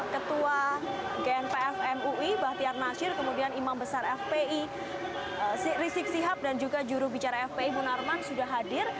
bahtiar nasir ketua gnpf mui kemudian imam besar fpi rizik sihab dan juga juru bicara fpi munarman sudah hadir